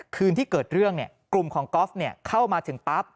คืนที่เกิดเรื่องเนี่ยกลุ่มของก๊อฟเนี่ยเข้ามาถึงปั๊บ